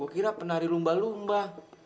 kira penari lumba lumba